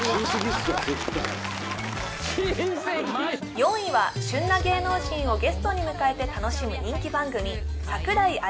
４位は旬な芸能人をゲストに迎えて楽しむ人気番組